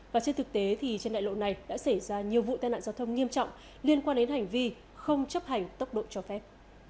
và trên thực tế thì trên đại lộ này đã xảy ra nhiều vụ tai nạn giao thông nghiêm trọng liên quan đến hành vi không chấp hành tốc độ cho phép